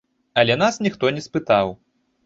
Але нас ніхто не спытаў.